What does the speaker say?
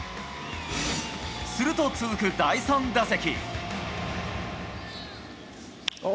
すると続く第３打席。